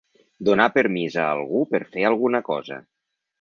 Donar permís a algú per fer alguna cosa.